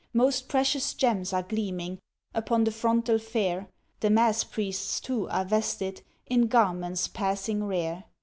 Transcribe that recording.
Most precious gems are gleaming Upon the frontal fair, The Mass Priests too are vested In garments passing rare.